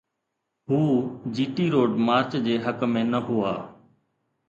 هو G T road march جي حق ۾ نه هئا.